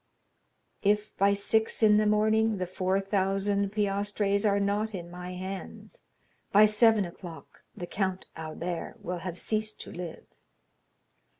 "_If by six in the morning the four thousand piastres are not in my hands, by seven o'clock the Count Albert will have ceased to live_."